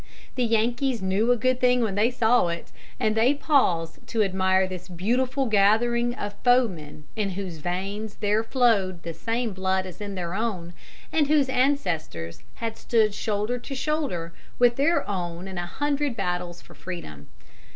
The Yankees knew a good thing when they saw it, and they paused to admire this beautiful gathering of foemen in whose veins there flowed the same blood as in their own, and whose ancestors had stood shoulder to shoulder with their own in a hundred battles for freedom.